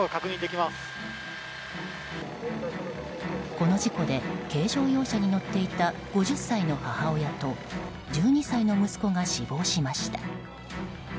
この事故で軽乗用車に乗っていた５０歳の母親と１２歳の息子が死亡しました。